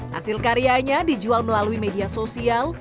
hasil karyanya dijual melalui media sosial